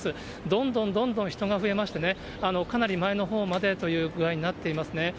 どんどんどんどん人が増えましてね、かなり前のほうまでという具合になってますね。